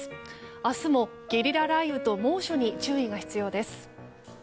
明日もゲリラ雷雨と猛暑に注意が必要です。